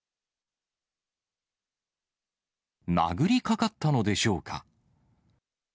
殴りかかったのでしょうか。